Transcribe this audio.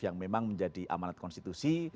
yang memang menjadi amanat konstitusi